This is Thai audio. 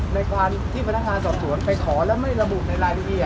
ในการที่พนักงานสอบสวนไปขอแล้วไม่ระบุในรายละเอียด